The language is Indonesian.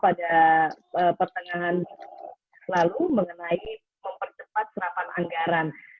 pada pertengahan lalu mengenai mempercepat serapan anggaran